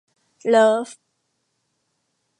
เลิฟ